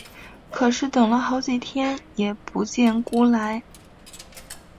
可是等了好几天也不见辜来。